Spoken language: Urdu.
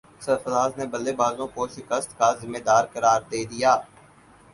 سرفراز نے بلے بازوں کو شکست کا ذمہ دار قرار دے دیا